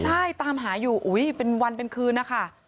ใช่ตามหาอยู่เป็นวันเป็นคืนนะคะ